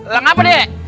leng apa deh